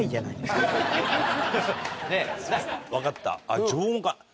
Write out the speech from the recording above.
分かった。